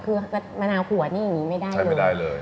คือมะนาวหัวนี่อย่างนี้ไม่ได้เลย